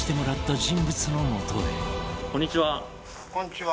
早速こんにちは。